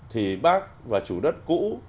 thì bác và chủ đất cũ